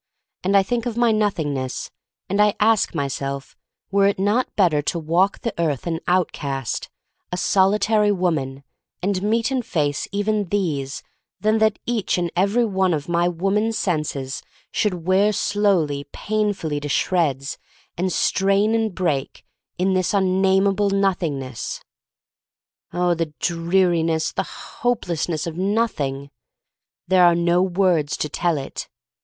And I think of my Nothingness, and I ask myself were it not better to walk the earth an outcast, a solitary woman, and meet and face even these, than that each and every one of my woman senses should wear slowly, painfully to shreds, and strain and break— in this unnameable Nothing? Oh, the dreariness — the hopelessness of Nothing! There are no words to tell it.